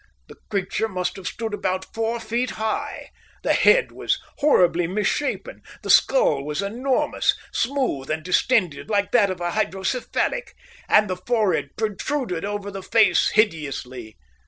The creature must have stood about four feet high. The head was horribly misshapen. The skull was enormous, smooth and distended like that of a hydrocephalic, and the forehead protruded over the face hideously.